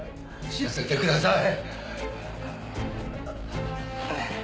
死なせてください！